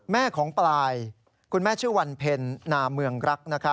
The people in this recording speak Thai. แม่ของปลายคุณแม่ชื่อวันเพ็ญนาเมืองรัก